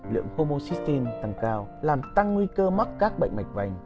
lượng comocistin tăng cao làm tăng nguy cơ mắc các bệnh mạch vành